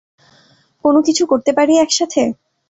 কোনও কিছু করতে পারি একসাথে?